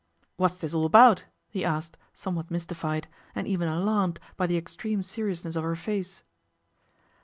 'What's this all about?' he asked, somewhat mystified, and even alarmed by the extreme seriousness of her face.